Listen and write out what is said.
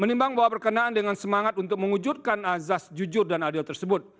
menimbang bahwa berkenaan dengan semangat untuk mewujudkan azas jujur dan adil tersebut